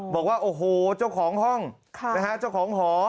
บอกว่าโอ้โหเจ้าของห้องนะฮะเจ้าของหอ